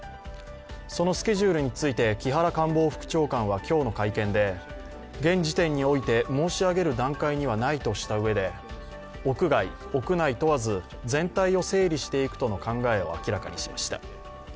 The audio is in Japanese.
そのスケジュールについて、木原官房副長官は今日の会見で現時点において、申し上げる段階にはないとしたうえで屋外・屋内問わず全体を整理していくとの考えを明らかにしました。